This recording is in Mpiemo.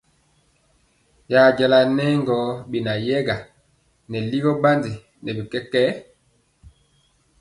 Y jala nɛ gɔ benayɛga nɛ ligɔ bandi nɛ bi kɛkɛɛ.